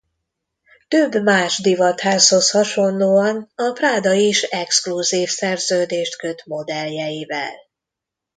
Több más divatházhoz hasonlóan a Prada is exkluzív szerződést köt modelljeivel.